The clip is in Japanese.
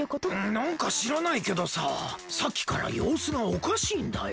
なんかしらないけどささっきからようすがおかしいんだよ。